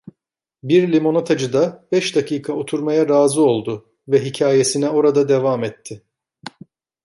Bir limonatacıda beş dakika oturmaya razı oldu ve hikâyesine orada devam etti.